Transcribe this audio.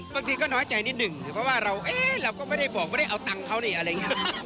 บางทีก็น้อยใจนิดหนึ่งเพราะว่าเราเราก็ไม่ได้บอกไม่ได้เอาตังค์เขานี่อะไรอย่างนี้